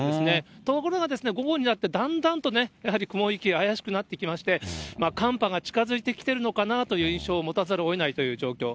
ところが午後になってだんだんとやはり雲行きが怪しくなってきまして、寒波が近づいてきているのかなという印象を持たざるをえないという状況。